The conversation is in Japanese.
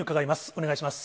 お願いします。